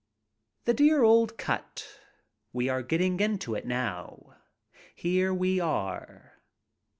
The dear old cut. We are getting into it now. Here we are.